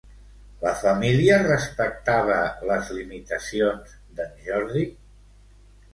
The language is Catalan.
La família respectava les limitacions d'en Jordi?